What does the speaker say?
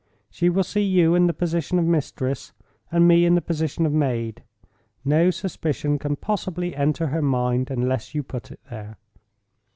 She will see you in the position of mistress, and me in the position of maid—no suspicion can possibly enter her mind, unless you put it there.